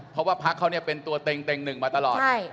เพราะว่าพักเขาเนี่ยเป็นตัวเต็งเต็งหนึ่งมาตลอด